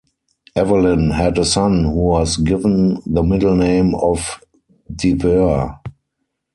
Evelyn had a son who was given the middle name of De Vere.